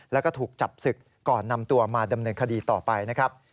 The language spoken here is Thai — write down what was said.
แล้วก็ถูกจับศึกก่อนนำตัวมาดำเนินคดีต่อไปนะครับ